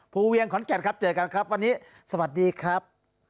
เวียงขอนแก่นครับเจอกันครับวันนี้สวัสดีครับ